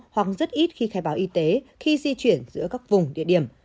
hoặc rất ít khi khai báo y tế khi di chuyển giữa các vùng địa điểm